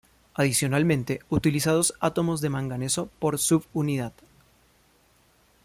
Adicionalmente utiliza dos átomos de manganeso por subunidad.